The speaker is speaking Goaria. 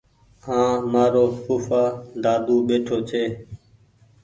هآنٚ مآرو ڦوڦآ دادو ٻيٺو ڇي